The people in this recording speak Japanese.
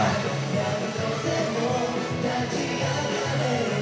「何度でも立ち上がれるよ」